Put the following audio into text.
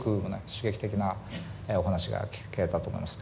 刺激的なお話が聞けたと思います。